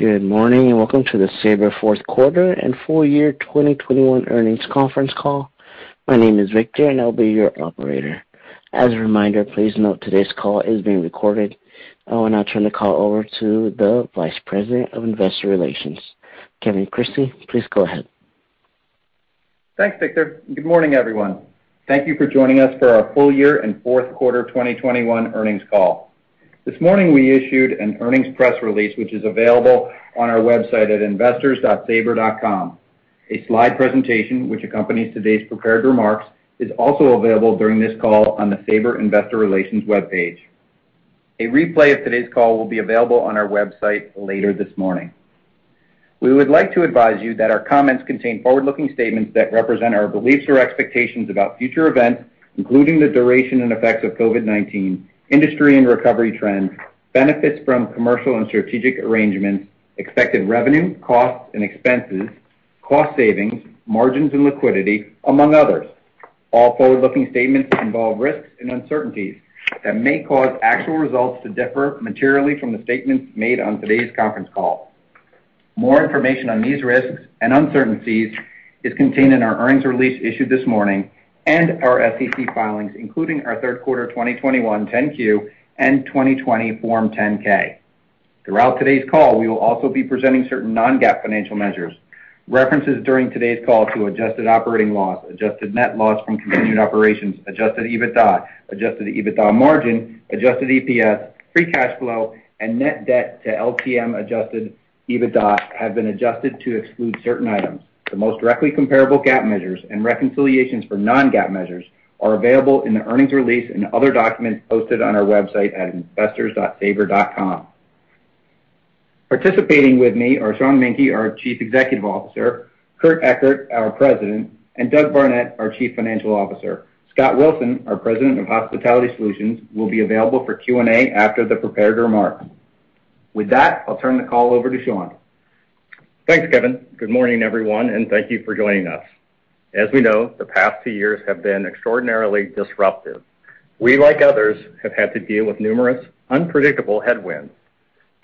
Good morning, and welcome to the Sabre fourth quarter and full year 2021 earnings conference call. My name is Victor and I'll be your operator. As a reminder, please note today's call is being recorded. I will now turn the call over to the Vice President of Investor Relations. Kevin Crissey, please go ahead. Thanks, Victor. Good morning, everyone. Thank you for joining us for our full year and fourth quarter of 2021 earnings call. This morning, we issued an earnings press release, which is available on our website at investors.sabre.com. A slide presentation, which accompanies today's prepared remarks, is also available during this call on the Sabre Investor Relations webpage. A replay of today's call will be available on our website later this morning. We would like to advise you that our comments contain forward-looking statements that represent our beliefs or expectations about future events, including the duration and effects of COVID-19, industry and recovery trends, benefits from commercial and strategic arrangements, expected revenue, costs, and expenses, cost savings, margins and liquidity, among others. All forward-looking statements involve risks and uncertainties that may cause actual results to differ materially from the statements made on today's conference call. More information on these risks and uncertainties is contained in our earnings release issued this morning and our SEC filings, including our third quarter 2021 10-Q and 2020 Form 10-K. Throughout today's call, we will also be presenting certain non-GAAP financial measures. References during today's call to adjusted operating loss, adjusted net loss from continued operations, adjusted EBITDA, adjusted EBITDA margin, adjusted EPS, free cash flow, and net debt to LTM adjusted EBITDA have been adjusted to exclude certain items. The most directly comparable GAAP measures and reconciliations for non-GAAP measures are available in the earnings release and other documents posted on our website at investors.sabre.com. Participating with me are Sean Menke, our Chief Executive Officer, Kurt Ekert, our President, and Doug Barnett, our Chief Financial Officer. Scott Wilson, our President of Hospitality Solutions, will be available for Q&A after the prepared remarks. With that, I'll turn the call over to Sean. Thanks, Kevin. Good morning, everyone, and thank you for joining us. As we know, the past two years have been extraordinarily disruptive. We, like others, have had to deal with numerous unpredictable headwinds.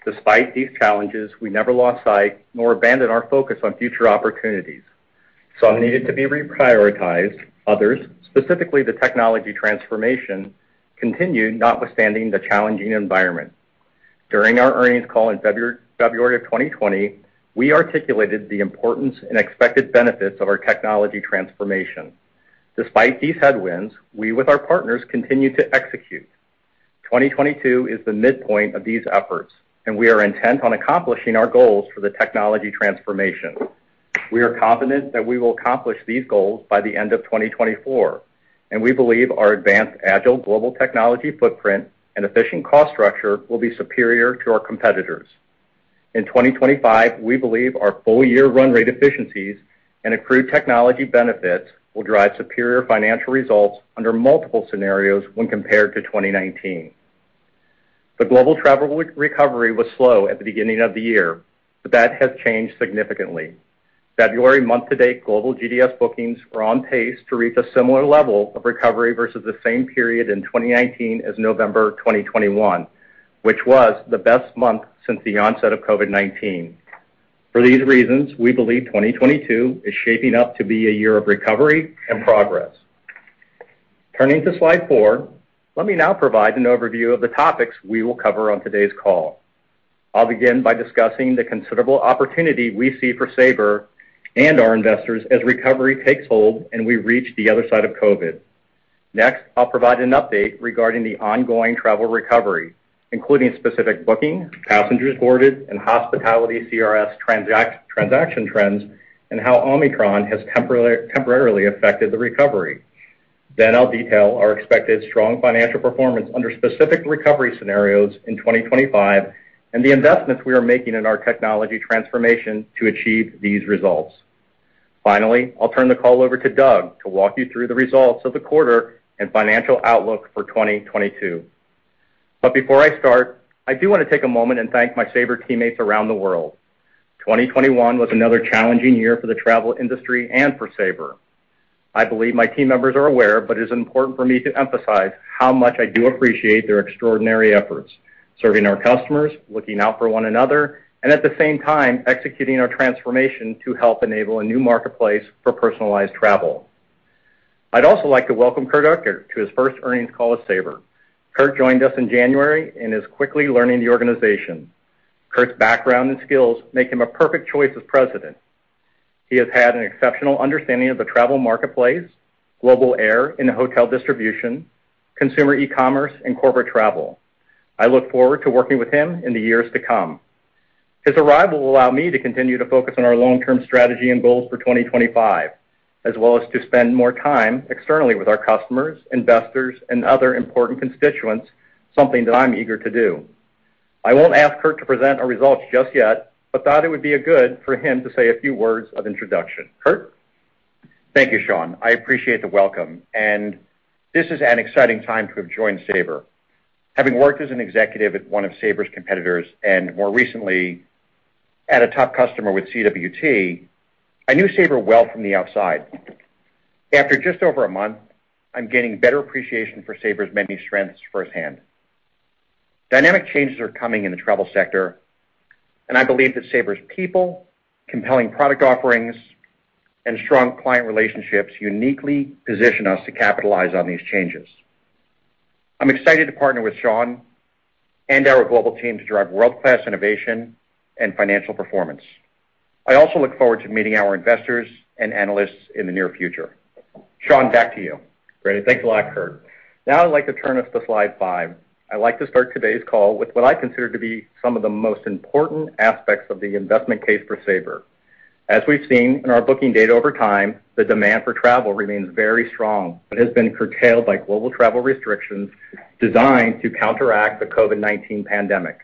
Despite these challenges, we never lost sight nor abandoned our focus on future opportunities. Some needed to be reprioritized, others, specifically the technology transformation, continued notwithstanding the challenging environment. During our earnings call in February of 2020, we articulated the importance and expected benefits of our technology transformation. Despite these headwinds, we, with our partners, continued to execute. 2022 is the midpoint of these efforts, and we are intent on accomplishing our goals for the technology transformation. We are confident that we will accomplish these goals by the end of 2024, and we believe our advanced agile global technology footprint and efficient cost structure will be superior to our competitors. In 2025, we believe our full-year run rate efficiencies and accrued technology benefits will drive superior financial results under multiple scenarios when compared to 2019. The global travel recovery was slow at the beginning of the year, but that has changed significantly. February month-to-date global GDS bookings are on pace to reach a similar level of recovery versus the same period in 2019 as November of 2021, which was the best month since the onset of COVID-19. For these reasons, we believe 2022 is shaping up to be a year of recovery and progress. Turning to slide four, let me now provide an overview of the topics we will cover on today's call. I'll begin by discussing the considerable opportunity we see for Sabre and our investors as recovery takes hold and we reach the other side of COVID. Next, I'll provide an update regarding the ongoing travel recovery, including specific booking, passengers boarded, and hospitality CRS transaction trends and how Omicron has temporarily affected the recovery. Then I'll detail our expected strong financial performance under specific recovery scenarios in 2025 and the investments we are making in our technology transformation to achieve these results. Finally, I'll turn the call over to Doug to walk you through the results of the quarter and financial outlook for 2022. Before I start, I do want to take a moment and thank my Sabre teammates around the world. 2021 was another challenging year for the travel industry and for Sabre. I believe my team members are aware, but it's important for me to emphasize how much I do appreciate their extraordinary efforts, serving our customers, looking out for one another, and at the same time, executing our transformation to help enable a new marketplace for personalized travel. I'd also like to welcome Kurt Ekert to his first earnings call at Sabre. Kurt joined us in January and is quickly learning the organization. Kurt's background and skills make him a perfect choice as President. He has had an exceptional understanding of the travel marketplace, global air and hotel distribution, consumer e-commerce, and corporate travel. I look forward to working with him in the years to come. His arrival will allow me to continue to focus on our long-term strategy and goals for 2025, as well as to spend more time externally with our customers, investors, and other important constituents, something that I'm eager to do. I won't ask Kurt to present our results just yet, but thought it would be a good time for him to say a few words of introduction. Kurt? Thank you, Sean. I appreciate the welcome. This is an exciting time to have joined Sabre. Having worked as an executive at one of Sabre's competitors, and more recently at a top customer with CWT, I knew Sabre well from the outside. After just over a month, I'm gaining better appreciation for Sabre's many strengths firsthand. Dynamic changes are coming in the travel sector, and I believe that Sabre's people, compelling product offerings, and strong client relationships uniquely position us to capitalize on these changes. I'm excited to partner with Sean and our global team to drive world-class innovation and financial performance. I also look forward to meeting our investors and analysts in the near future. Sean, back to you. Great. Thanks a lot, Kurt. Now I'd like to turn us to slide five. I'd like to start today's call with what I consider to be some of the most important aspects of the investment case for Sabre. As we've seen in our booking data over time, the demand for travel remains very strong, but has been curtailed by global travel restrictions designed to counteract the COVID-19 pandemic.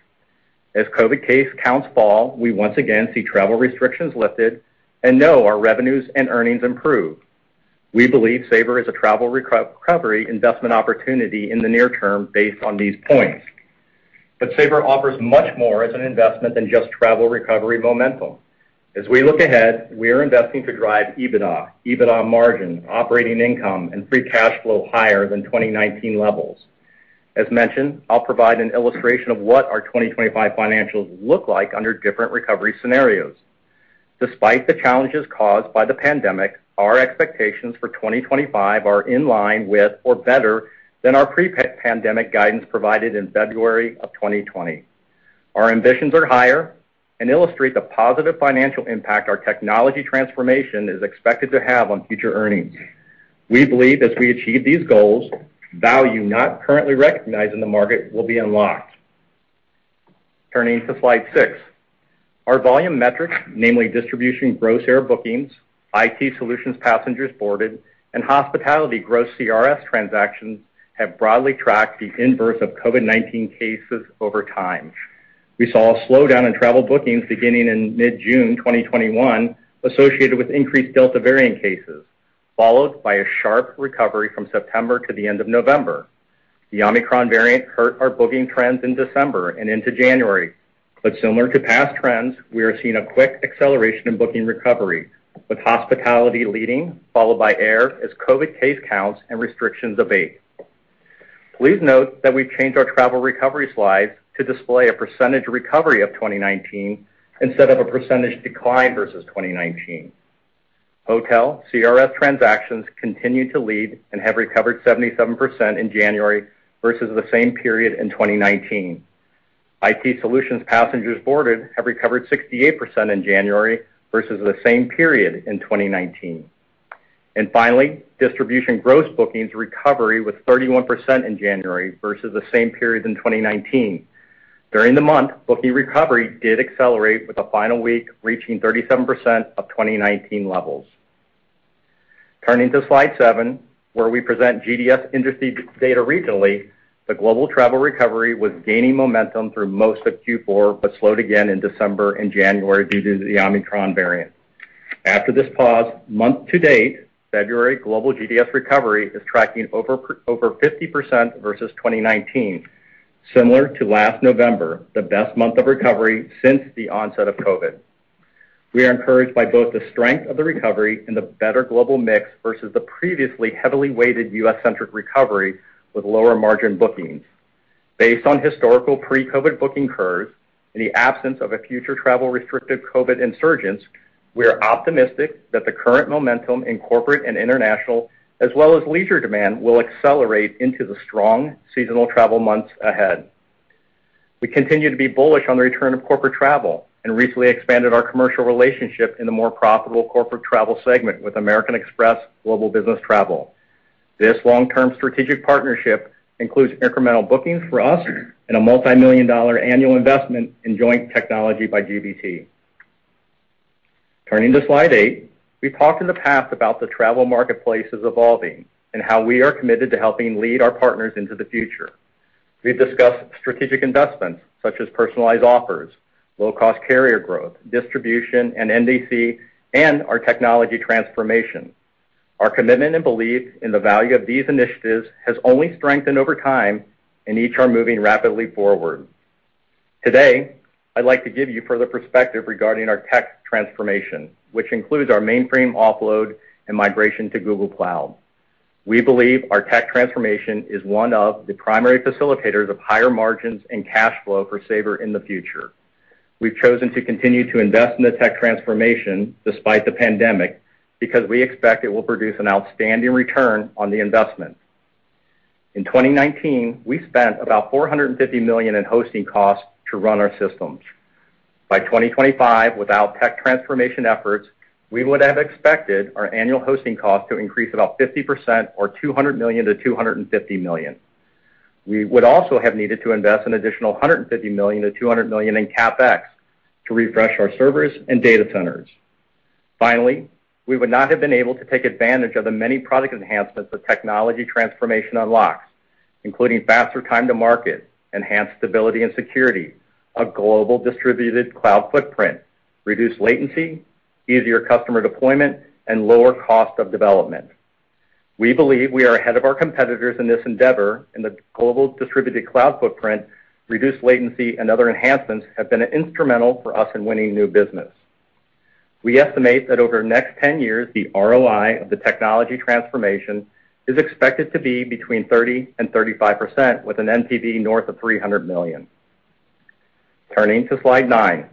As COVID case counts fall, we once again see travel restrictions lifted and know our revenues and earnings improve. We believe Sabre is a travel recovery investment opportunity in the near term based on these points. Sabre offers much more as an investment than just travel recovery momentum. As we look ahead, we are investing to drive EBITDA margin, operating income, and free cash flow higher than 2019 levels. As mentioned, I'll provide an illustration of what our 2025 financials look like under different recovery scenarios. Despite the challenges caused by the pandemic, our expectations for 2025 are in line with or better than our pre-pandemic guidance provided in February of 2020. Our ambitions are higher and illustrate the positive financial impact our technology transformation is expected to have on future earnings. We believe as we achieve these goals, value not currently recognized in the market will be unlocked. Turning to slide six. Our volume metrics, namely distribution gross air bookings, IT Solutions passengers boarded, and hospitality gross CRS transactions, have broadly tracked the inverse of COVID-19 cases over time. We saw a slowdown in travel bookings beginning in mid-June 2021 associated with increased Delta variant cases, followed by a sharp recovery from September to the end of November. The Omicron variant hurt our booking trends in December and into January. Similar to past trends, we are seeing a quick acceleration in booking recovery, with hospitality leading, followed by air, as COVID case counts and restrictions abate. Please note that we've changed our travel recovery slide to display a percentage recovery of 2019 instead of a percentage decline versus 2019. Hotel CRS transactions continue to lead and have recovered 77% in January versus the same period in 2019. IT Solutions passenger boardings have recovered 68% in January versus the same period in 2019. Finally, distribution gross bookings recovery was 31% in January versus the same period in 2019. During the month, booking recovery did accelerate, with the final week reaching 37% of 2019 levels. Turning to slide seven, where we present GDS industry data regionally, the global travel recovery was gaining momentum through most of Q4, but slowed again in December and January due to the Omicron variant. After this pause, month to date, February global GDS recovery is tracking over 50% versus 2019, similar to last November, the best month of recovery since the onset of COVID. We are encouraged by both the strength of the recovery and the better global mix versus the previously heavily weighted U.S.-centric recovery with lower margin bookings. Based on historical pre-COVID booking curves, in the absence of a future travel-restrictive COVID resurgence, we are optimistic that the current momentum in corporate and international, as well as leisure demand, will accelerate into the strong seasonal travel months ahead. We continue to be bullish on the return of corporate travel and recently expanded our commercial relationship in the more profitable corporate travel segment with American Express Global Business Travel. This long-term strategic partnership includes incremental bookings for us and a multi-million-dollar annual investment in joint technology by GBT. Turning to slide eight, we've talked in the past about the travel marketplace as evolving and how we are committed to helping lead our partners into the future. We've discussed strategic investments such as personalized offers, low-cost carrier growth, distribution, and NDC, and our technology transformation. Our commitment and belief in the value of these initiatives has only strengthened over time, and each are moving rapidly forward. Today, I'd like to give you further perspective regarding our tech transformation, which includes our mainframe offload and migration to Google Cloud. We believe our tech transformation is one of the primary facilitators of higher margins and cash flow for Sabre in the future. We've chosen to continue to invest in the tech transformation despite the pandemic because we expect it will produce an outstanding return on the investment. In 2019, we spent about $450 million in hosting costs to run our systems. By 2025, without tech transformation efforts, we would have expected our annual hosting costs to increase about 50% or $200 million-$250 million. We would also have needed to invest an additional $150 million-$200 million in CapEx to refresh our servers and data centers. Finally, we would not have been able to take advantage of the many product enhancements that technology transformation unlocks, including faster time to market, enhanced stability and security, a global distributed cloud footprint, reduced latency, easier customer deployment, and lower cost of development. We believe we are ahead of our competitors in this endeavor, and the global distributed cloud footprint, reduced latency, and other enhancements have been instrumental for us in winning new business. We estimate that over the next 10 years, the ROI of the technology transformation is expected to be between 30% and 35%, with an NPV north of $300 million. Turning to slide nine.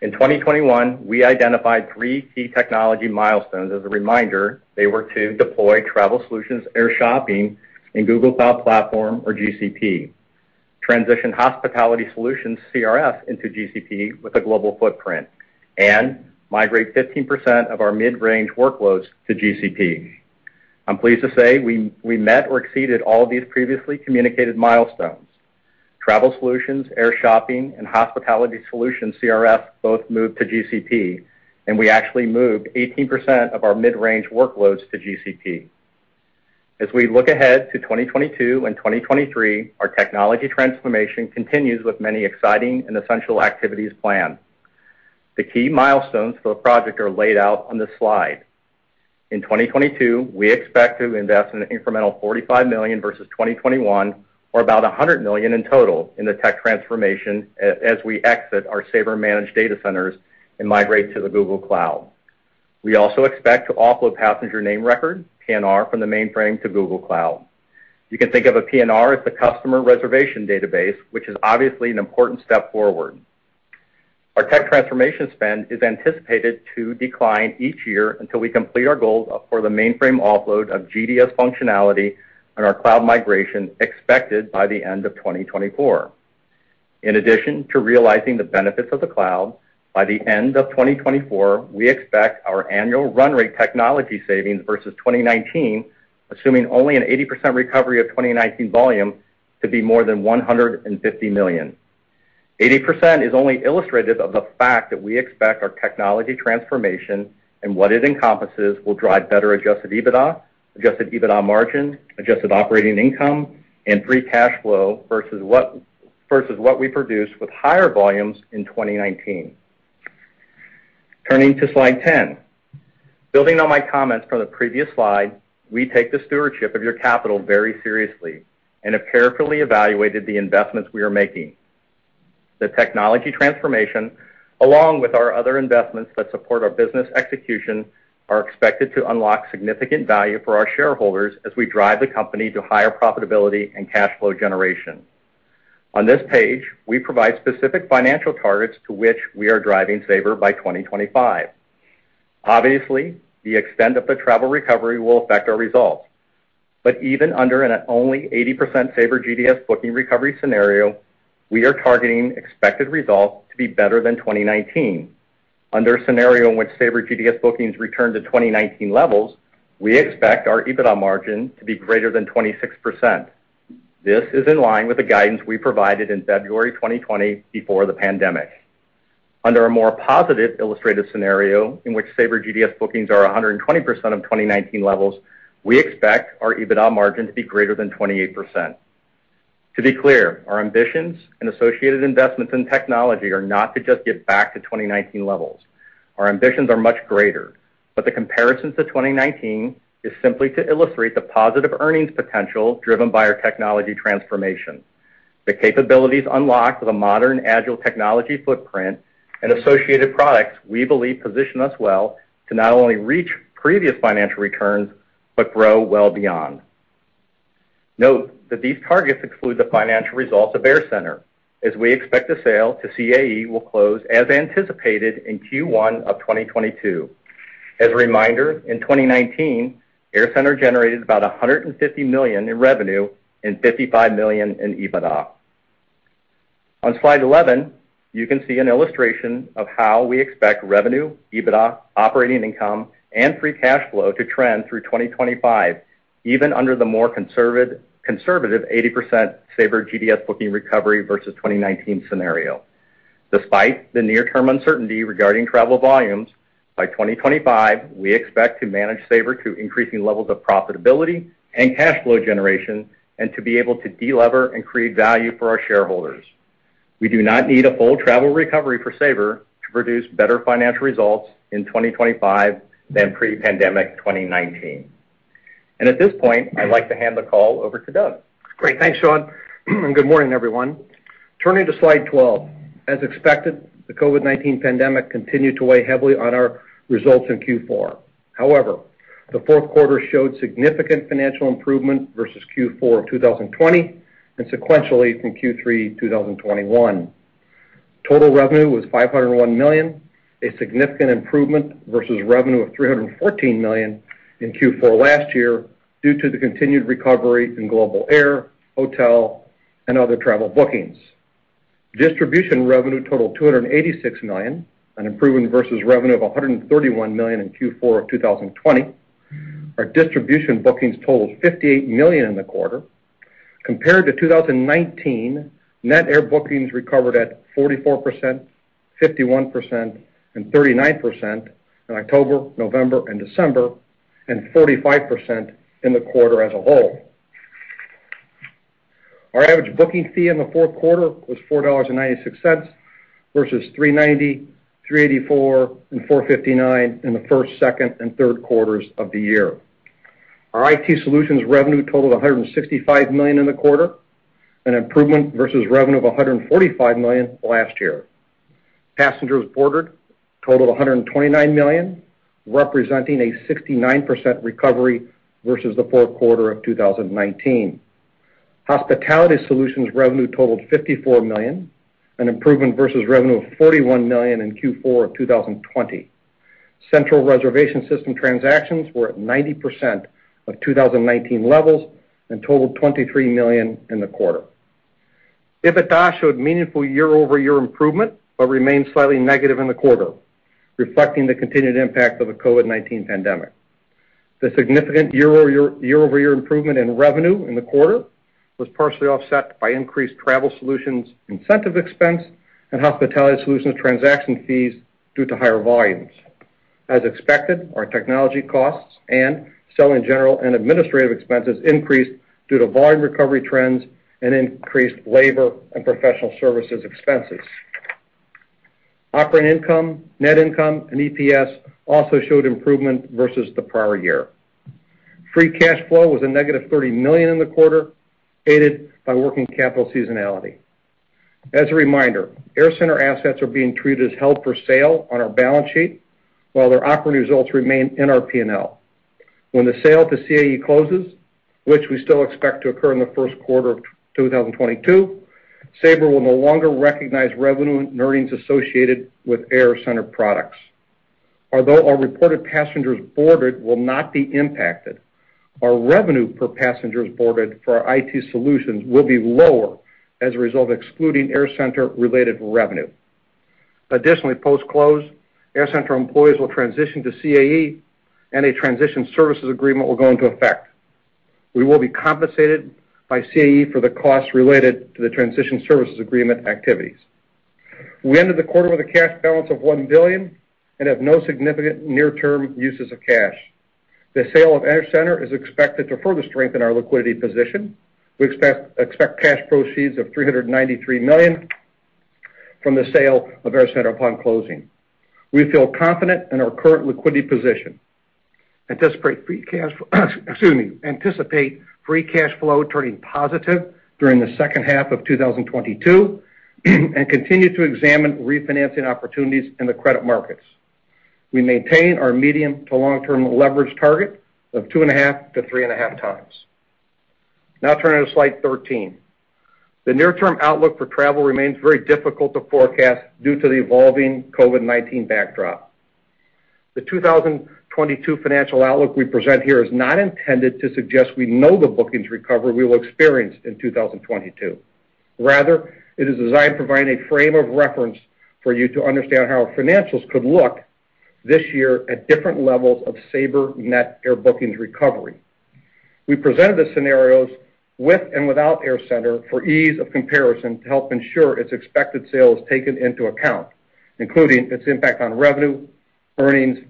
In 2021, we identified three key technology milestones. As a reminder, they were to deploy Travel Solutions Air Shopping in Google Cloud Platform or GCP, transition Hospitality Solutions CRS into GCP with a global footprint, and migrate 15% of our mid-range workloads to GCP. I'm pleased to say we met or exceeded all of these previously communicated milestones. Travel Solutions Air Shopping and Hospitality Solutions CRS both moved to GCP, and we actually moved 18% of our mid-range workloads to GCP. As we look ahead to 2022 and 2023, our technology transformation continues with many exciting and essential activities planned. The key milestones for the project are laid out on this slide. In 2022, we expect to invest an incremental $45 million versus 2021 or about $100 million in total in the tech transformation as we exit our Sabre managed data centers and migrate to the Google Cloud. We also expect to offload passenger name record, PNR, from the mainframe to Google Cloud. You can think of a PNR as the customer reservation database, which is obviously an important step forward. Our tech transformation spend is anticipated to decline each year until we complete our goals for the mainframe offload of GDS functionality and our cloud migration expected by the end of 2024. In addition to realizing the benefits of the cloud, by the end of 2024, we expect our annual run rate technology savings versus 2019, assuming only an 80% recovery of 2019 volume, to be more than $150 million. 80% is only illustrative of the fact that we expect our technology transformation and what it encompasses will drive better adjusted EBITDA, adjusted EBITDA margin, adjusted operating income, and free cash flow versus what we produced with higher volumes in 2019. Turning to slide 10. Building on my comments from the previous slide, we take the stewardship of your capital very seriously and have carefully evaluated the investments we are making. The technology transformation, along with our other investments that support our business execution, are expected to unlock significant value for our shareholders as we drive the company to higher profitability and cash flow generation. On this page, we provide specific financial targets to which we are driving Sabre by 2025. Obviously, the extent of the travel recovery will affect our results, but even under an only 80% Sabre GDS booking recovery scenario, we are targeting expected results to be better than 2019. Under a scenario in which Sabre GDS bookings return to 2019 levels, we expect our EBITDA margin to be greater than 26%. This is in line with the guidance we provided in February 2020 before the pandemic. Under a more positive illustrative scenario in which Sabre GDS bookings are 120% of 2019 levels, we expect our EBITDA margin to be greater than 28%. To be clear, our ambitions and associated investments in technology are not to just get back to 2019 levels. Our ambitions are much greater. The comparisons to 2019 is simply to illustrate the positive earnings potential driven by our technology transformation. The capabilities unlocked with a modern, agile technology footprint and associated products we believe position us well to not only reach previous financial returns but grow well beyond. Note that these targets exclude the financial results of AirCentre, as we expect the sale to CAE will close as anticipated in Q1 of 2022. As a reminder, in 2019, AirCentre generated about $150 million in revenue and $55 million in EBITDA. On slide 11, you can see an illustration of how we expect revenue, EBITDA, operating income, and free cash flow to trend through 2025, even under the more conservative 80% Sabre GDS booking recovery versus 2019 scenario. Despite the near-term uncertainty regarding travel volumes, by 2025, we expect to manage Sabre to increasing levels of profitability and cash flow generation and to be able to delever and create value for our shareholders. We do not need a full travel recovery for Sabre to produce better financial results in 2025 than pre-pandemic 2019. At this point, I'd like to hand the call over to Doug. Great. Thanks, Sean. Good morning, everyone. Turning to slide 12. As expected, the COVID-19 pandemic continued to weigh heavily on our results in Q4. However, the fourth quarter showed significant financial improvement versus Q4 of 2020 and sequentially from Q3 2021. Total revenue was $501 million, a significant improvement versus revenue of $314 million in Q4 last year due to the continued recovery in global air, hotel, and other travel bookings. Distribution revenue totaled $286 million, an improvement versus revenue of $131 million in Q4 of 2020. Our distribution bookings totaled $58 million in the quarter. Compared to 2019, net air bookings recovered at 44%, 51%, and 39% in October, November, and December, and 45% in the quarter as a whole. Our average booking fee in the fourth quarter was $4.96 versus $3.90, $3.84, and $4.59 in the first, second, and third quarters of the year. Our IT Solutions revenue totaled $165 million in the quarter, an improvement versus revenue of $145 million last year. Passengers boarded totaled 129 million, representing a 69% recovery versus the fourth quarter of 2019. Hospitality Solutions revenue totaled $54 million, an improvement versus revenue of $41 million in Q4 of 2020. Central reservation system transactions were at 90% of 2019 levels and totaled $23 million in the quarter. EBITDA showed meaningful year-over-year improvement, but remained slightly negative in the quarter, reflecting the continued impact of the COVID-19 pandemic. The significant year-over-year improvement in revenue in the quarter was partially offset by increased Travel Solutions incentive expense, and Hospitality Solutions transaction fees due to higher volumes. As expected, our technology costs and selling, general, and administrative expenses increased due to volume recovery trends and increased labor and professional services expenses. Operating income, net income, and EPS also showed improvement versus the prior year. Free cash flow was -$30 million in the quarter, aided by working capital seasonality. As a reminder, AirCentre assets are being treated as held for sale on our balance sheet, while their operating results remain in our P&L. When the sale to CAE closes, which we still expect to occur in the first quarter of 2022, Sabre will no longer recognize revenue and earnings associated with AirCentre products. Although our reported passengers boarded will not be impacted, our revenue per passengers boarded for our IT Solutions will be lower as a result of excluding AirCentre-related revenue. Additionally, post-close, AirCentre employees will transition to CAE and a transition services agreement will go into effect. We will be compensated by CAE for the costs related to the transition services agreement activities. We ended the quarter with a cash balance of $1 billion and have no significant near-term uses of cash. The sale of AirCentre is expected to further strengthen our liquidity position. We expect cash proceeds of $393 million from the sale of AirCentre upon closing. We feel confident in our current liquidity position. We anticipate free cash flow turning positive during the second half of 2022, and continue to examine refinancing opportunities in the credit markets. We maintain our medium- to long-term leverage target of 2.5-3.5 times. Now turning to slide 13. The near-term outlook for travel remains very difficult to forecast due to the evolving COVID-19 backdrop. The 2022 financial outlook we present here is not intended to suggest we know the bookings recovery we will experience in 2022. Rather, it is designed to provide a frame of reference for you to understand how our financials could look this year at different levels of Sabre net air bookings recovery. We presented the scenarios with and without AirCentre for ease of comparison to help ensure its expected sale is taken into account, including its impact on revenue, earnings,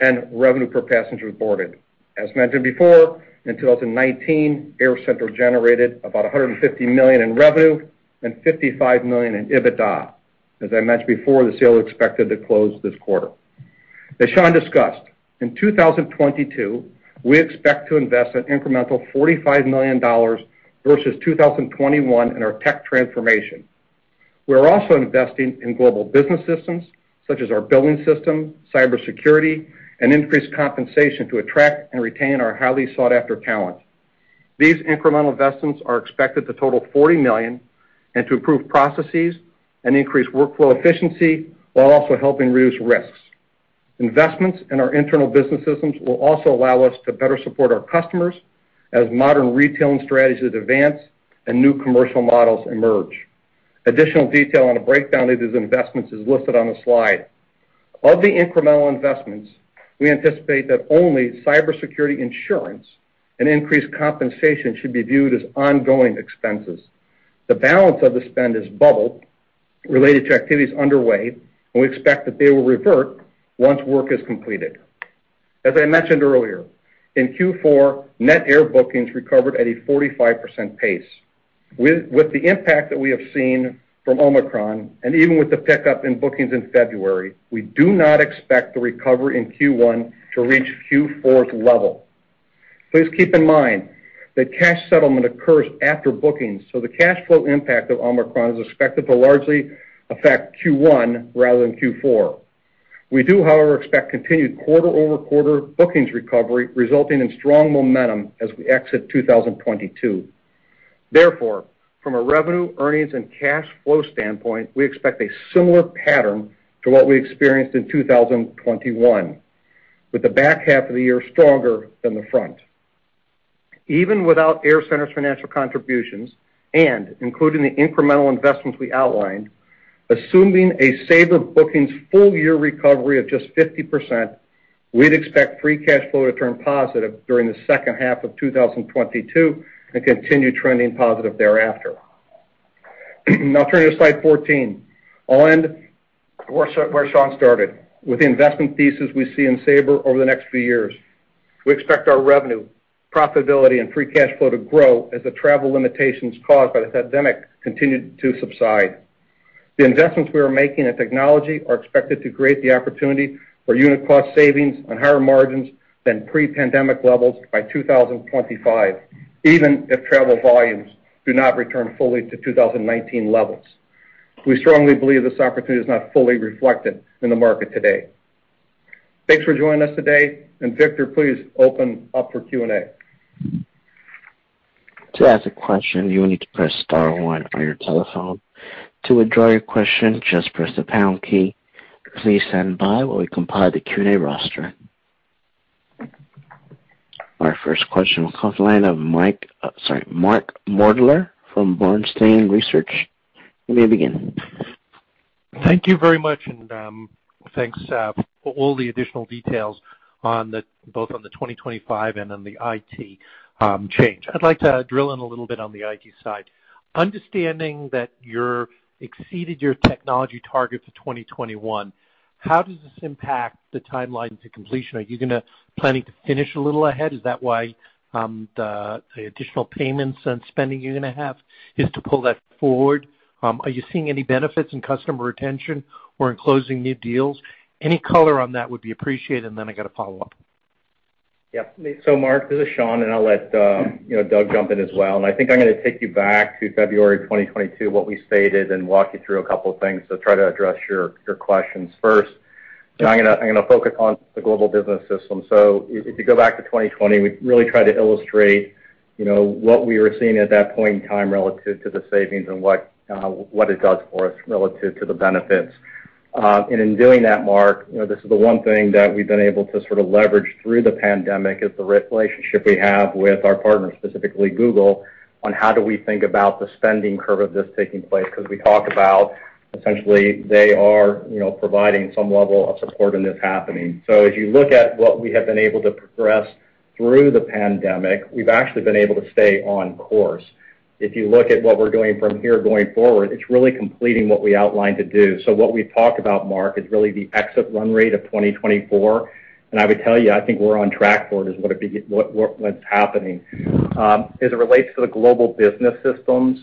and revenue per passengers boarded. As mentioned before, in 2019, AirCentre generated about $150 million in revenue and $55 million in EBITDA. As I mentioned before, the sale is expected to close this quarter. As Sean discussed, in 2022, we expect to invest an incremental $45 million versus 2021 in our tech transformation. We're also investing in global business systems, such as our billing system, cybersecurity, and increased compensation to attract and retain our highly sought-after talent. These incremental investments are expected to total $40 million and to improve processes and increase workflow efficiency while also helping reduce risks. Investments in our internal business systems will also allow us to better support our customers as modern retailing strategies advance and new commercial models emerge. Additional detail on a breakdown of these investments is listed on the slide. Of the incremental investments, we anticipate that only cybersecurity insurance and increased compensation should be viewed as ongoing expenses. The balance of the spend is one-time related to activities underway, and we expect that they will revert once work is completed. As I mentioned earlier, in Q4, net air bookings recovered at a 45% pace. With the impact that we have seen from Omicron and even with the pickup in bookings in February, we do not expect the recovery in Q1 to reach Q4's level. Please keep in mind that cash settlement occurs after bookings, so the cash flow impact of Omicron is expected to largely affect Q1 rather than Q4. We do, however, expect continued quarter-over-quarter bookings recovery, resulting in strong momentum as we exit 2022. Therefore, from a revenue, earnings, and cash flow standpoint, we expect a similar pattern to what we experienced in 2021, with the back half of the year stronger than the front. Even without AirCentre's financial contributions and including the incremental investments we outlined, assuming a Sabre bookings full-year recovery of just 50%, we'd expect free cash flow to turn positive during the second half of 2022 and continue trending positive thereafter. Now turning to slide 14. I'll end where Sean started, with the investment pieces we see in Sabre over the next few years. We expect our revenue, profitability and free cash flow to grow as the travel limitations caused by the pandemic continue to subside. The investments we are making in technology are expected to create the opportunity for unit cost savings and higher margins than pre-pandemic levels by 2025, even if travel volumes do not return fully to 2019 levels. We strongly believe this opportunity is not fully reflected in the market today. Thanks for joining us today. Victor, please open up for Q&A. To ask a question, you need to press star one on your telephone. To withdraw your question just press the pound key. See you soon while we pile the Q&A roster. Our first question will come from the line of Mark Moerdler from Bernstein Research. You may begin. Thank you very much, and thanks for all the additional details on both the 2025 and on the IT change. I'd like to drill in a little bit on the IT side. Understanding that you've exceeded your technology target for 2021, how does this impact the timeline to completion? Are you planning to finish a little ahead? Is that why the additional payments and spending you're gonna have is to pull that forward? Are you seeing any benefits in customer retention or in closing new deals? Any color on that would be appreciated, and then I got a follow-up. Mark, this is Sean, and I'll let Doug jump in as well. I think I'm gonna take you back to February 2022, what we stated, and walk you through a couple of things to try to address your questions first. Now I'm gonna focus on the global business system. If you go back to 2020, we really tried to illustrate what we were seeing at that point in time relative to the savings and what it does for us relative to the benefits. In doing that, Mark, you know, this is the one thing that we've been able to sort of leverage through the pandemic, is the relationship we have with our partners, specifically Google, on how do we think about the spending curve of this taking place, because we talk about essentially they are, you know, providing some level of support in this happening. As you look at what we have been able to progress through the pandemic, we've actually been able to stay on course. If you look at what we're doing from here going forward, it's really completing what we outlined to do. What we've talked about, Mark, is really the exit run rate of 2024, and I would tell you, I think we're on track for it is what's happening. As it relates to the global business systems,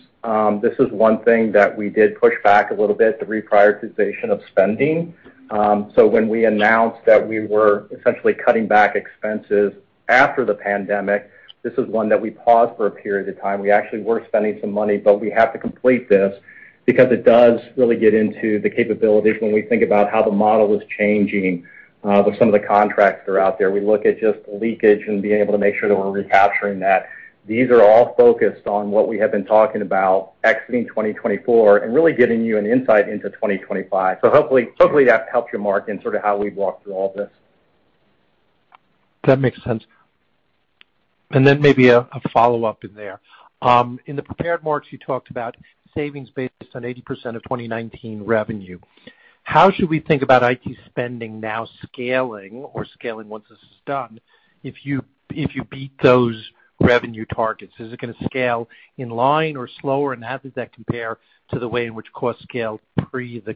this is one thing that we did push back a little bit, the reprioritization of spending. When we announced that we were essentially cutting back expenses after the pandemic, this is one that we paused for a period of time. We actually were spending some money, but we have to complete this because it does really get into the capabilities when we think about how the model is changing, with some of the contracts that are out there. We look at just leakage and being able to make sure that we're recapturing that. These are all focused on what we have been talking about exiting 2024 and really giving you an insight into 2025. Hopefully, hopefully that helps you, Mark, in sort of how we walk through all this. That makes sense. Then maybe a follow-up in there. In the prepared remarks, you talked about savings based on 80% of 2019 revenue. How should we think about IT spending now scaling or scaling once this is done if you beat those revenue targets? Is it gonna scale in line or slower, and how does that compare to the way in which costs scaled pre the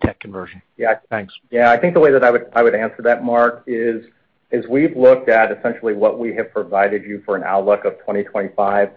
tech conversion? Yeah. Thanks. Yeah. I think the way that I would answer that, Mark, is as we've looked at essentially what we have provided you for an outlook of 2025,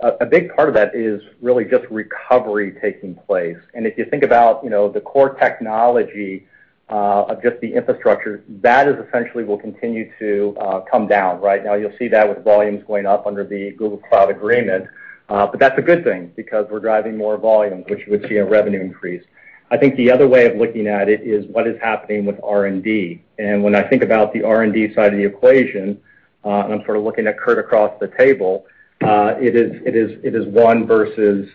a big part of that is really just recovery taking place. If you think about, you know, the core technology of just the infrastructure, that essentially will continue to come down. Right? Now you'll see that with volumes going up under the Google Cloud agreement, but that's a good thing because we're driving more volume, which we see a revenue increase. I think the other way of looking at it is what is happening with R&D. When I think about the R&D side of the equation, and I'm sort of looking at Kurt across the table, it is one versus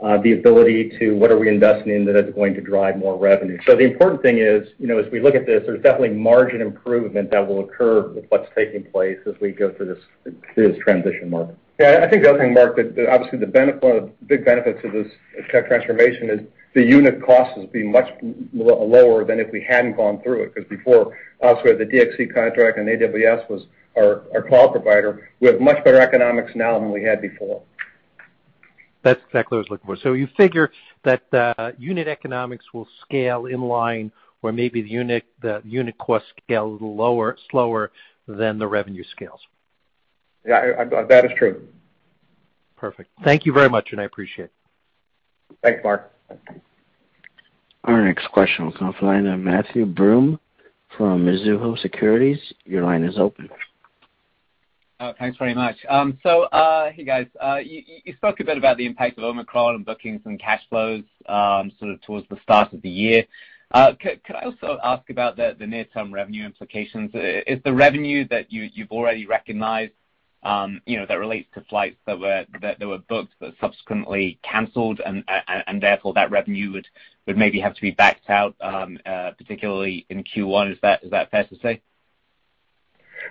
the ability to what are we investing in that is going to drive more revenue. The important thing is, you know, as we look at this, there's definitely margin improvement that will occur with what's taking place as we go through this transition, Mark. Yeah. I think the other thing, Mark, that obviously one of the big benefits of this tech transformation is the unit cost is being much lower than if we hadn't gone through it. Because before, obviously we had the DXC contract and AWS was our cloud provider. We have much better economics now than we had before. That's exactly what I was looking for. You figure that the unit economics will scale in line or maybe the unit cost scale a little slower than the revenue scales. Yeah, that is true. Perfect. Thank you very much, and I appreciate it. Thanks, Mark. Our next question comes from the line of Matthew Broome from Mizuho Securities. Your line is open. Oh, thanks very much. Hey, guys. You spoke a bit about the impact of Omicron on bookings and cash flows, sort of towards the start of the year. Could I also ask about the near-term revenue implications? Is the revenue that you've already recognized, you know, that relates to flights that were booked but subsequently canceled and therefore that revenue would maybe have to be backed out, particularly in Q1? Is that fair to say?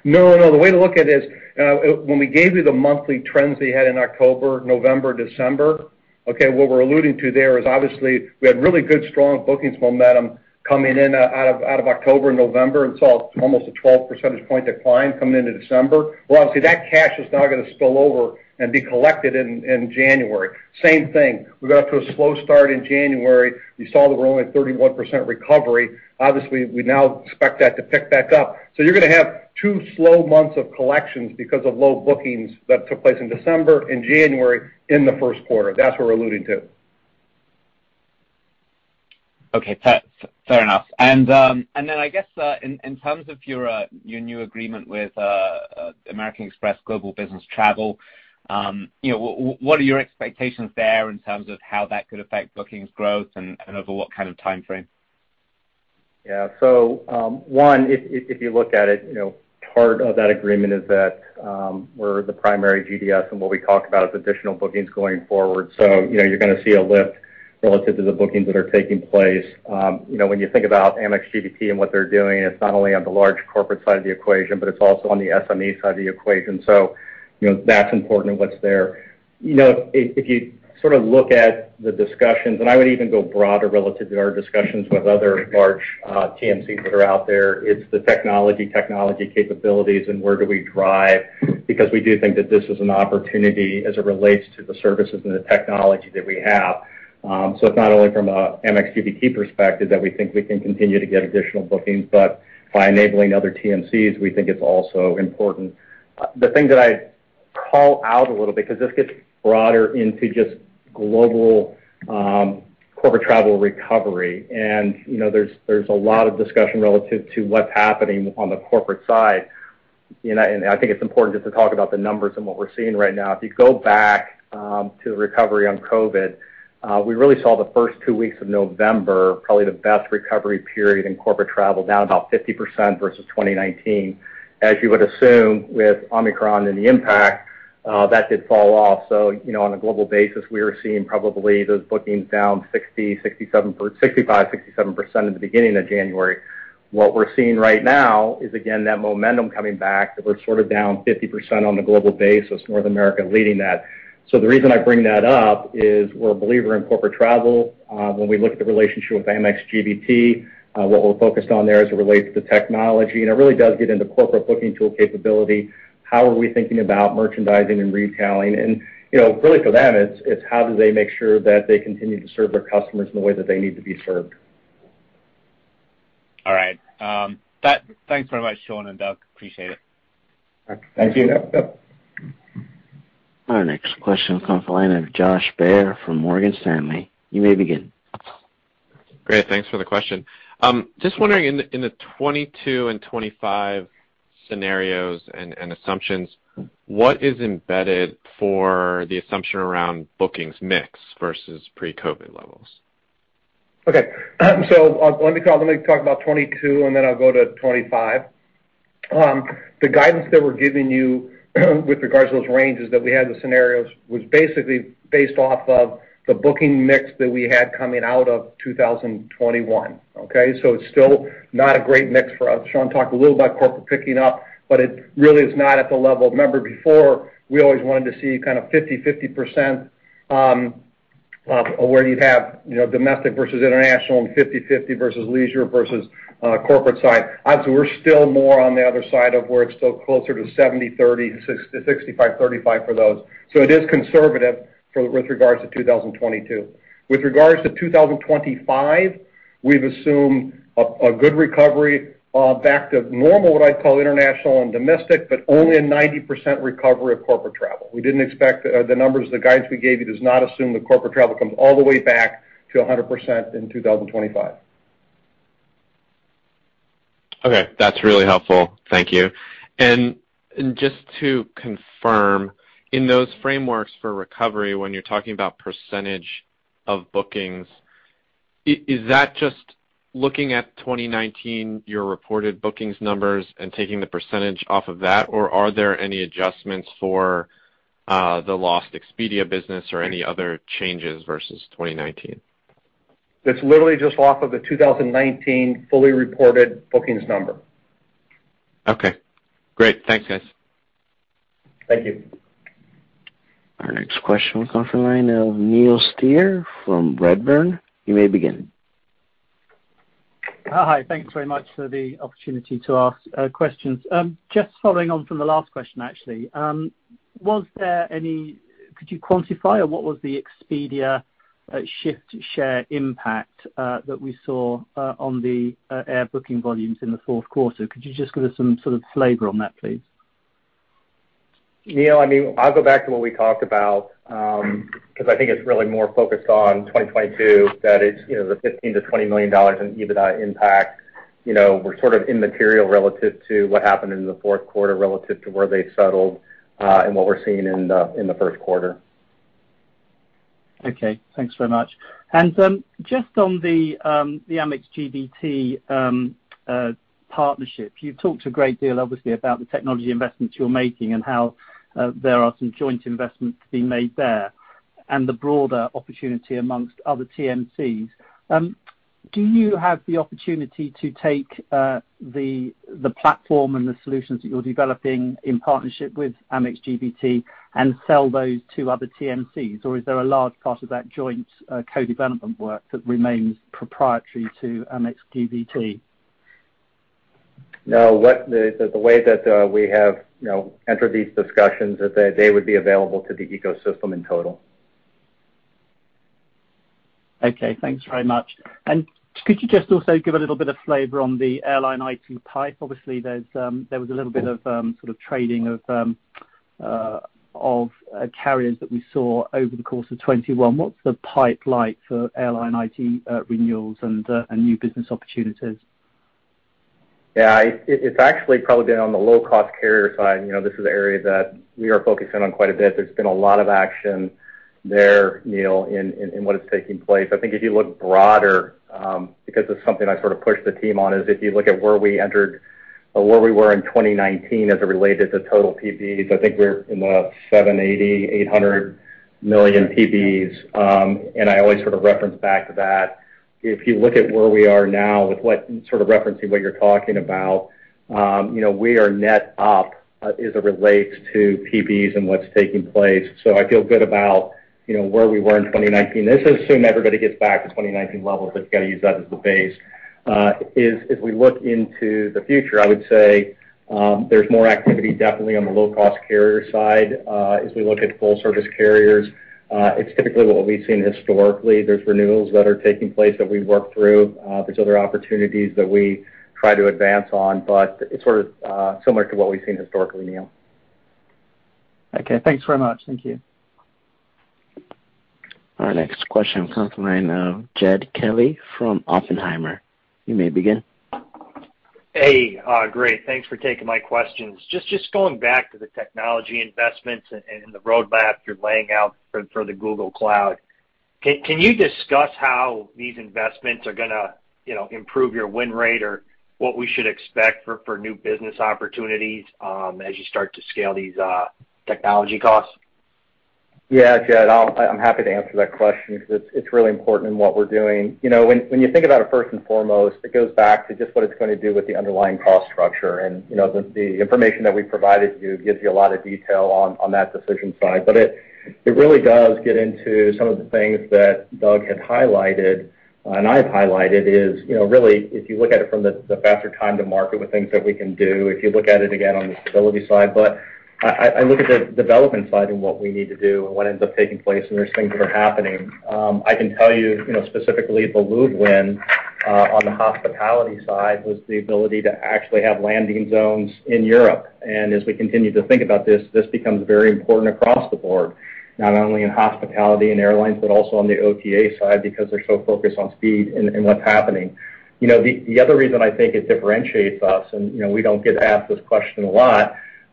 No, no, the way to look at it is, when we gave you the monthly trends that you had in October, November, December, okay, what we're alluding to there is obviously we had really good strong bookings momentum coming in, out of October, November, and saw almost a 12 percentage point decline coming into December. Well, obviously, that cash is now gonna spill over and be collected in January. Same thing, we got off to a slow start in January. We saw that we're only at 31% recovery. Obviously, we now expect that to pick back up. You're gonna have two slow months of collections because of low bookings that took place in December and January in the first quarter. That's what we're alluding to. Okay. Fair enough. I guess in terms of your new agreement with American Express Global Business Travel, you know, what are your expectations there in terms of how that could affect bookings growth and over what kind of timeframe? Yeah. One, if you look at it, you know, part of that agreement is that we're the primary GDS, and what we talk about is additional bookings going forward. You know, you're gonna see a lift relative to the bookings that are taking place. You know, when you think about Amex GBT and what they're doing, it's not only on the large corporate side of the equation, but it's also on the SME side of the equation. You know, that's important to what's there. You know, if you sort of look at the discussions, and I would even go broader relative to our discussions with other large TMCs that are out there, it's the technology capabilities and where do we drive because we do think that this is an opportunity as it relates to the services and the technology that we have. It's not only from a Amex GBT perspective that we think we can continue to get additional bookings, but by enabling other TMCs, we think it's also important. The thing that I'd call out a little bit, 'cause this gets broader into just global corporate travel recovery, you know, there's a lot of discussion relative to what's happening on the corporate side. You know, I think it's important just to talk about the numbers and what we're seeing right now. If you go back to the recovery on COVID, we really saw the first two weeks of November probably the best recovery period in corporate travel, down about 50% versus 2019. As you would assume with Omicron and the impact, that did fall off. You know, on a global basis, we were seeing probably those bookings down 65%-67% in the beginning of January. What we're seeing right now is again that momentum coming back, that we're sort of down 50% on a global basis, North America leading that. The reason I bring that up is we're a believer in corporate travel. When we look at the relationship with Amex GBT, what we're focused on there as it relates to technology, and it really does get into corporate booking tool capability, how are we thinking about merchandising and retailing. You know, really for them, it's how do they make sure that they continue to serve their customers in the way that they need to be served. All right. Thanks very much, Sean and Doug. Appreciate it. Thank you. Thank you. Yep, yep. Our next question will come from the line of Josh Baer from Morgan Stanley. You may begin. Great. Thanks for the question. Just wondering in the 2022 and 2025 scenarios and assumptions, what is embedded for the assumption around bookings mix versus pre-COVID levels? Okay. Let me talk about 2022, and then I'll go to 2025. The guidance that we're giving you with regards to those ranges that we had the scenarios was basically based off of the booking mix that we had coming out of 2021. Okay? It's still not a great mix for us. Sean talked a little about corporate picking up, but it really is not at the level. Remember before, we always wanted to see kind of 50/50%, where you have, you know, domestic versus international and 50/50 versus leisure versus corporate side. Obviously, we're still more on the other side of where it's still closer to 70/30, 65/35 for those. It is conservative with regards to 2022. With regards to 2025, we've assumed a good recovery back to normal, what I'd call international and domestic, but only a 90% recovery of corporate travel. We didn't expect the numbers, the guidance we gave you does not assume that corporate travel comes all the way back to a 100% in 2025. Okay. That's really helpful. Thank you. Just to confirm, in those frameworks for recovery, when you're talking about percentage of bookings, is that just looking at 2019, your reported bookings numbers and taking the percentage off of that? Or are there any adjustments for, the lost Expedia business or any other changes versus 2019? It's literally just off of the 2019 fully reported bookings number. Okay, great. Thanks, guys. Thank you. Our next question will come from the line of Neil Steer from Redburn. You may begin. Hi. Thanks very much for the opportunity to ask questions. Just following on from the last question, actually, could you quantify or what was the Expedia shift share impact that we saw on the air booking volumes in the fourth quarter? Could you just give us some sort of flavor on that, please? Neil, I mean, I'll go back to what we talked about, because I think it's really more focused on 2022, that it's, you know, the $15 million-$20 million in EBITDA impact. You know, we're sort of immaterial relative to what happened in the fourth quarter relative to where they settled, and what we're seeing in the first quarter. Okay. Thanks very much. Just on the Amex GBT partnership, you've talked a great deal obviously about the technology investments you're making and how there are some joint investments being made there. The broader opportunity among other TMCs. Do you have the opportunity to take the platform and the solutions that you're developing in partnership with Amex GBT and sell those to other TMCs? Or is there a large part of that joint co-development work that remains proprietary to Amex GBT? No. The way that we have, you know, entered these discussions is that they would be available to the ecosystem in total. Okay, thanks very much. Could you just also give a little bit of flavor on the airline IT pipe? Obviously, there was a little bit of sort of trading of carriers that we saw over the course of 2021. What's the pipe like for airline IT renewals and new business opportunities? Yeah. It's actually probably been on the low-cost carrier side. You know, this is an area that we are focusing on quite a bit. There's been a lot of action there, Neil, in what is taking place. I think if you look broader, because it's something I sort of pushed the team on, is if you look at where we entered or where we were in 2019 as it related to total PBEs, I think we're in the 780 million-800 million PBEs. I always sort of reference back to that. If you look at where we are now with what, and sort of referencing what you're talking about, you know, we are net up, as it relates to PBEs and what's taking place. I feel good about, you know, where we were in 2019. This is assuming everybody gets back to 2019 levels, but you gotta use that as the base. As we look into the future, I would say there's more activity definitely on the low-cost carrier side. As we look at full service carriers, it's typically what we've seen historically. There's renewals that are taking place that we work through. There's other opportunities that we try to advance on, but it's sort of similar to what we've seen historically, Neil. Okay, thanks very much. Thank you. Our next question comes from the line of Jed Kelly from Oppenheimer. You may begin. Hey, great. Thanks for taking my questions. Just going back to the technology investments and the roadmap you're laying out for the Google Cloud. Can you discuss how these investments are gonna, you know, improve your win rate or what we should expect for new business opportunities as you start to scale these technology costs? Yeah, Jed, I'm happy to answer that question 'cause it's really important in what we're doing. You know, when you think about it first and foremost, it goes back to just what it's gonna do with the underlying cost structure. You know, the information that we provided you gives you a lot of detail on that decision side. It really does get into some of the things that Doug had highlighted, and I've highlighted. You know, really, if you look at it from the faster time to market with things that we can do, if you look at it again on the stability side. I look at the development side and what we need to do and what ends up taking place, and there's things that are happening. I can tell you know, specifically the Loop win on the hospitality side was the ability to actually have landing zones in Europe. As we continue to think about this becomes very important across the board, not only in hospitality and airlines, but also on the OTA side because they're so focused on speed and what's happening. You know, the other reason I think it differentiates us, and you know, we don't get asked this question a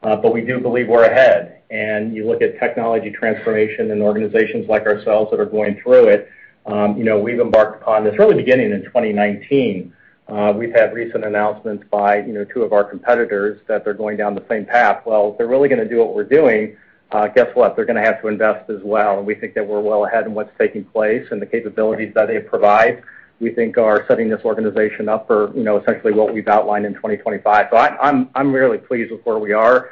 lot, but we do believe we're ahead. You look at technology transformation and organizations like ourselves that are going through it, you know, we've embarked upon this really beginning in 2019. We've had recent announcements by, you know, two of our competitors that they're going down the same path. Well, if they're really gonna do what we're doing, guess what? They're gonna have to invest as well. We think that we're well ahead in what's taking place, and the capabilities that they provide, we think are setting this organization up for, you know, essentially what we've outlined in 2025. I'm really pleased with where we are.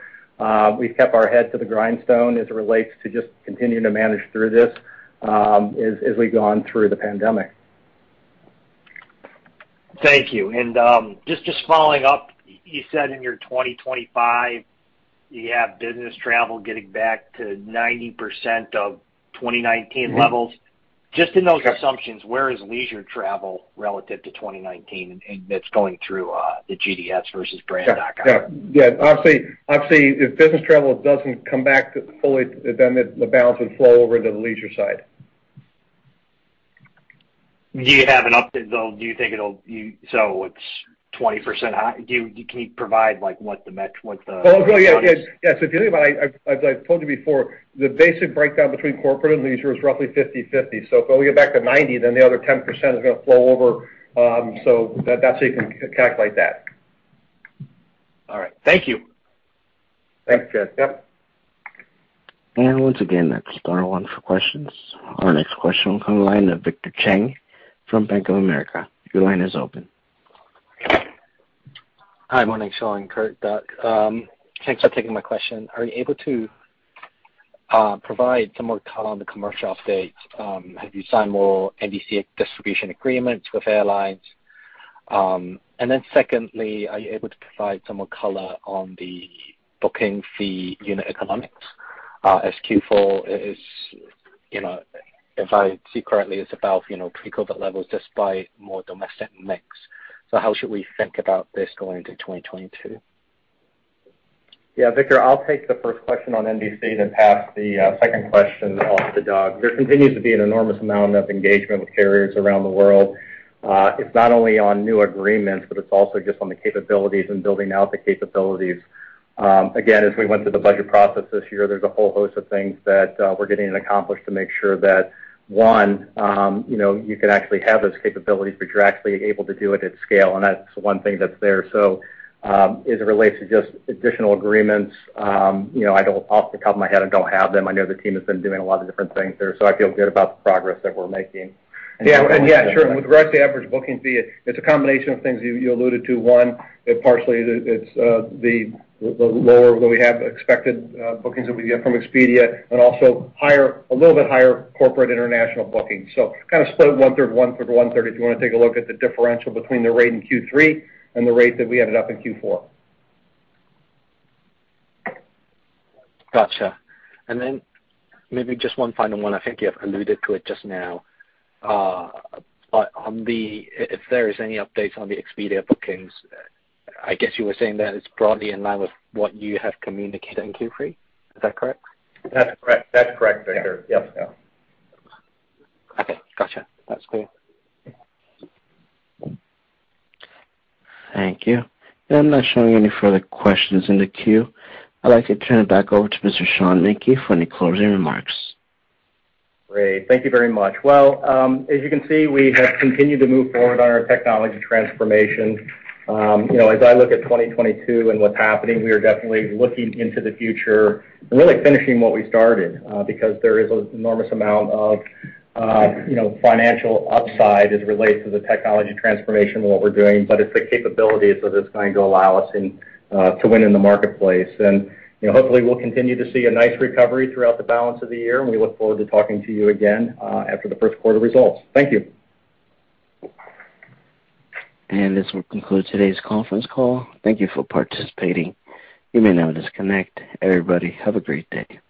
We've kept our head to the grindstone as it relates to just continuing to manage through this, as we've gone through the pandemic. Thank you. Just following up. You said in your 2025 you have business travel getting back to 90% of 2019 levels. Mm-hmm. Just in those assumptions, where is leisure travel relative to 2019 and it's going through the GDS versus brand.com? Yeah. Obviously, if business travel doesn't come back fully, then the balance would flow over to the leisure side. Do you have an update, though? Do you think it'll? It's 20% high. Can you provide, like, what the- Oh, I'll go. Yeah, yeah. If you think about it, I've, as I've told you before, the basic breakdown between corporate and leisure is roughly 50/50. If we get back to 90, then the other 10% is gonna flow over, so that's how you can calculate that. All right. Thank you. Thanks, Jed. Yep. Once again, that's another one for questions. Our next question will come in line of Victor Cheng from Bank of America. Your line is open. Hi. Morning, Sean, Kurt, Doug. Thanks for taking my question. Are you able to provide some more color on the commercial updates? Have you signed more NDC distribution agreements with airlines? And then secondly, are you able to provide some more color on the booking fee unit economics? As Q4 is, you know, if I see correctly, it's about, you know, pre-COVID levels despite more domestic mix. How should we think about this going into 2022? Yeah, Victor, I'll take the first question on NDC, then pass the second question off to Doug. There continues to be an enormous amount of engagement with carriers around the world. It's not only on new agreements, but it's also just on the capabilities and building out the capabilities. Again, as we went through the budget process this year, there's a whole host of things that we're getting accomplished to make sure that, one, you know, you can actually have those capabilities, but you're actually able to do it at scale, and that's one thing that's there. As it relates to just additional agreements, you know, I don't, off the top of my head, I don't have them. I know the team has been doing a lot of different things there, so I feel good about the progress that we're making. Yeah. Yeah, sure. With regards to average bookings fee, it's a combination of things you alluded to. One, it partially is the lower than we have expected bookings that we get from Expedia and also a little bit higher corporate international bookings. So kind of split 1/3, 1/3, 1/3, if you wanna take a look at the differential between the rate in Q3 and the rate that we ended up in Q4. Gotcha. Maybe just one final one. I think you have alluded to it just now. If there is any updates on the Expedia bookings, I guess you were saying that it's broadly in line with what you have communicated in Q3. Is that correct? That's correct. That's correct, Victor. Yep. Yeah. Okay, gotcha. That's clear. Thank you. I'm not showing any further questions in the queue. I'd like to turn it back over to Mr. Sean Menke for any closing remarks. Great. Thank you very much. Well, as you can see, we have continued to move forward on our technology transformation. You know, as I look at 2022 and what's happening, we are definitely looking into the future and really finishing what we started, because there is an enormous amount of, you know, financial upside as it relates to the technology transformation and what we're doing, but it's the capabilities that it's going to allow us to win in the marketplace. You know, hopefully we'll continue to see a nice recovery throughout the balance of the year, and we look forward to talking to you again, after the first quarter results. Thank you. This will conclude today's conference call. Thank you for participating. You may now disconnect. Everybody, have a great day.